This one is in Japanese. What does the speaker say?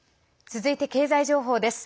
続いて、経済情報です。